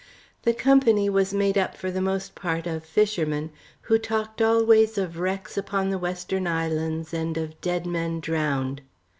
The company was made up for the most part of fishermen, who talked always of wrecks upon the western islands and of dead men drowned.